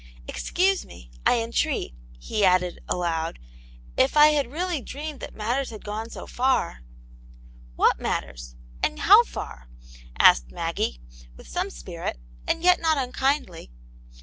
" Excuse me, I entreat," he added, aloud ;" if I had really dreamed that matters had gone so far "" What matters, and how far ?" asked Maggie, with some spirit, and yet not unkindly.